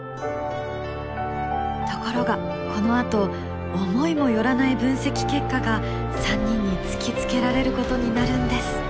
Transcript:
ところがこのあと思いも寄らない分析結果が３人に突きつけられることになるんです。